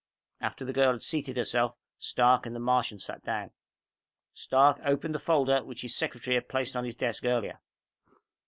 After the girl had seated herself, Stark and the Martian sat down. Stark opened the folder, which his secretary had placed on his desk earlier.